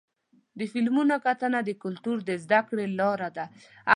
د فلمونو کتنه د کلتور د زدهکړې لاره ده.